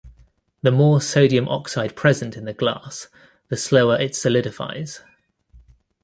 The more sodium oxide present in the glass, the slower it solidifies.